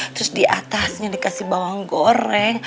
terus diatasnya dikasih bawang goreng